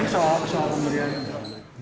ini soal pemberian